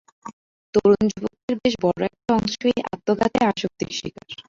তরুণ যুবকদের বেশ বড় একটা অংশ এই আত্মঘাতী আসক্তির শিকার।